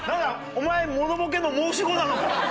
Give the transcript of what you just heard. お前モノボケの申し子なのか？